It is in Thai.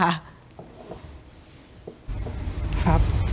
ครับ